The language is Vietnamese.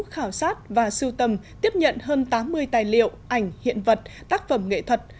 khảo sát và sưu tầm tiếp nhận hơn tám mươi tài liệu ảnh hiện vật tác phẩm nghệ thuật